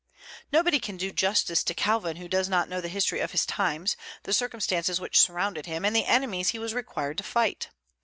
Nobody can do justice to Calvin who does not know the history of his times, the circumstances which surrounded him, and the enemies he was required to fight.